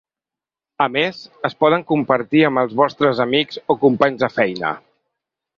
A més, es poden compartir amb els vostres amics o companys de feina.